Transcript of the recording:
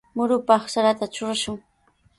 Murupaq sarata trurashun.